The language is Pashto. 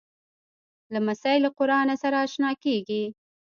لمسی له قرآنه سره اشنا کېږي.